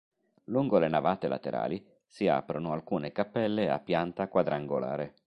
Lungo le navate laterali, si aprono alcune cappelle a pianta quadrangolare.